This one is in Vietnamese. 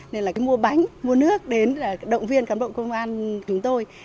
nên mua bánh mua nước để động viên cán bộ công an chúng tôi